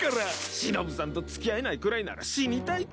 しのぶさんと付き合えないくらいなら死にたいと。